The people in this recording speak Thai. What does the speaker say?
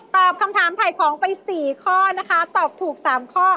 ตอบคำถามถ่ายของไป๔ข้อนะคะตอบถูก๓ข้อ